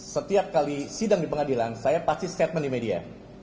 setiap kali sidang di pengadilan saya pasti statement di media